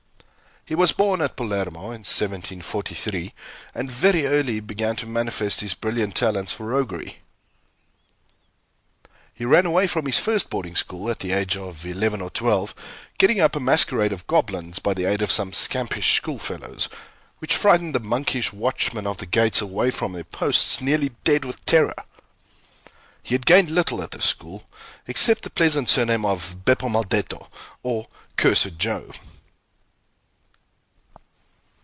He was born at Palermo, in 1743, and very early began to manifest his brilliant talents for roguery. He ran away from his first boarding school, at the age of eleven or twelve, getting up a masquerade of goblins, by the aid of some scampish schoolfellows, which frightened the monkish watchmen of the gates away from their posts, nearly dead with terror. He had gained little at this school, except the pleasant surname of Beppo Maldetto (or cursed Joe.)